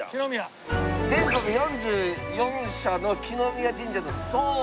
全国４４社の來宮神社の総社。